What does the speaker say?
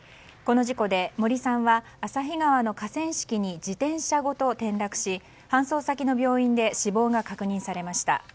この事故で森さんは旭川の河川敷に自転車ごと転落し搬送先の病院で死亡が確認されました。